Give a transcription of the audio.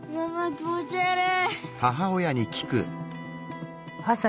気持ち悪い。